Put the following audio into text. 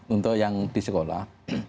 untuk yang di sekolah